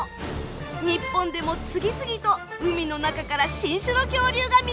日本でも次々と海の中から新種の恐竜が見つかっています。